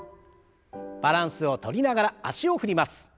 バランスをとりながら脚を振ります。